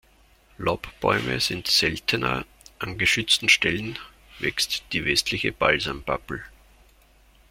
Laubbäume sind seltener, an geschützten Stellen wächst die Westliche Balsam-Pappel.